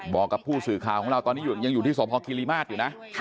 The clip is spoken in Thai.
บอกกับผู้สื่อข่าวของเราตอนนี้ยังอยู่ที่สพคิริมาตรอยู่นะ